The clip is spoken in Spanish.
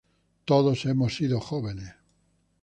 Todos hemos sido jóvenes.